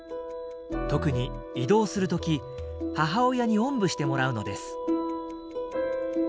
特に移動する時母親におんぶしてもらうのです。